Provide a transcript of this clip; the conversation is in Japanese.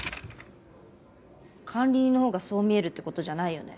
管理人のほうがそう見えるって事じゃないよね？